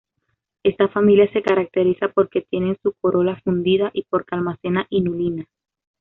Esta familia se caracteriza porque tienen su corola fundida y porque almacena inulina.